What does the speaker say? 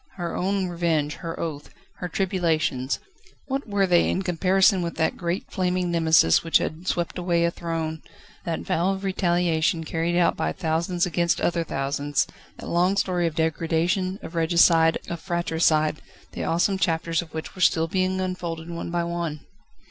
Her own revenge, her oath, her tribulations, what were they in comparison with that great flaming Nemesis which had swept away a throne, that vow of retaliation carried out by thousands against other thousands, that long story of degradation, of regicide, of fratricide, the awesome chapters of which were still being unfolded one by one?